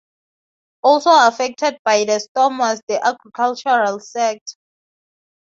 Also affected by the storm was the agricultural sector.